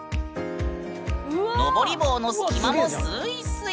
登り棒の隙間もスーイスイ。